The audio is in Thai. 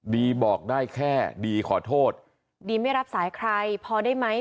บอกได้แค่ดีขอโทษดีไม่รับสายใครพอได้ไหม